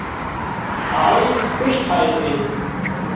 هاۯي کُش ٿائي سي